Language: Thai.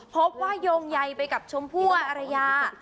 พบว่ายงใยไปกับชมผู้อารยา